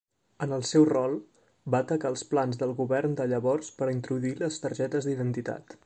En el seu rol, va atacar els plans del govern de llavors per introduir les targetes d'identitat.